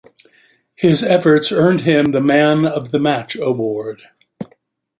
His efforts earned him the Man of the Match award.